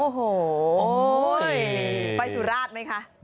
โอ้โหไปสุราชไหมคะ